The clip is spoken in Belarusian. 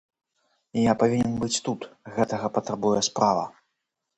Я павінен быць тут, гэтага патрабуе справа.